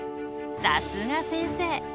さすが先生。